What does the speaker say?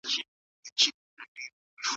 ټیټ فکر انسان په ټیټ حالت کې ساتي.